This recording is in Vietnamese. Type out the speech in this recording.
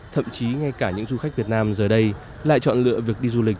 thậm chí ngay cả những du khách việt nam giờ đây lại chọn lựa việc đi du lịch